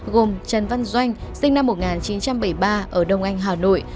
gồm trần văn doanh sinh năm một nghìn chín trăm bảy mươi ba ở đông anh hà nội